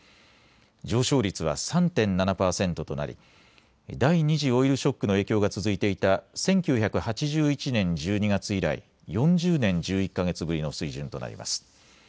上昇率は３．７％となり第２次オイルショックの影響が続いていた１９８１年１２月以来、４０年１１か月ぶりの水準となります。